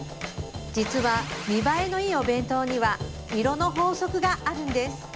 実は見栄えのいいお弁当には色の法則があるんです